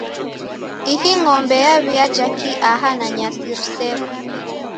Ihi ng'ombe yaw'iaja kii aha, na nyasi riseko?